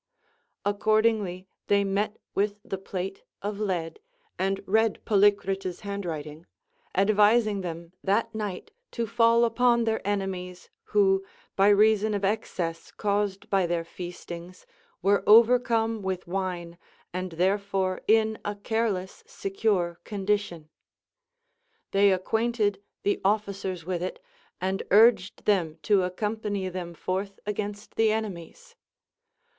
Ac cordingly they met with the plate of lead, and read Poly crita's hand writing, advising them that night to fall upon their enemies, who, by reason of excess caused by their feastings, were overcome with wine and therefore in a care less secure condition. They acquainted the officers with it, and urged them to accompnny them forth against the ene mies.